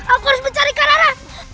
aku harus mencari karara